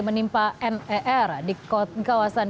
menimpa ner di kawasan